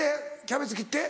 キャベツ切って？